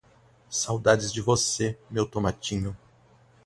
Saudades de você, meu tomatinho